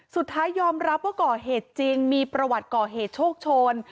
สุดท้ายยอมรับว่าก่อเหตุจริงมีประวัติก่อเหตุโชคโชน